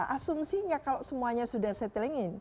asumsinya kalau semuanya sudah setuju